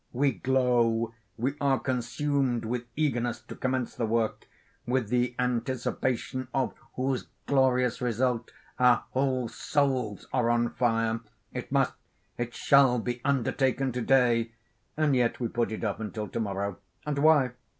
We glow, we are consumed with eagerness to commence the work, with the anticipation of whose glorious result our whole souls are on fire. It must, it shall be undertaken to day, and yet we put it off until to morrow; and why?